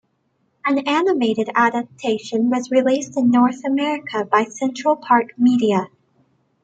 An animated adaptation was released in North America by Central Park Media.